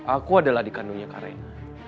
aku adalah dikandungnya kak raina